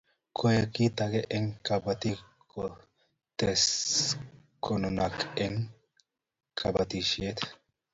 koek kit akenge eng' kabatiek ko tese konunaik eng' kabatishiet